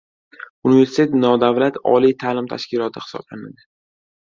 Universitet nodavlat oliy ta’lim tashkiloti hisoblanadi...